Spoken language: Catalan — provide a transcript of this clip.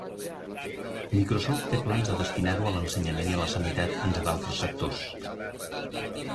Microsoft té plans de destinar-ho a l'ensenyament i a la sanitat, entre altres sectors.